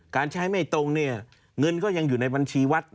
การใช้ไม่ตรงเนี่ยเงินก็ยังอยู่ในบัญชีวัด